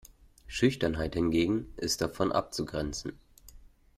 Schüchternheit hingegen ist davon abzugrenzen.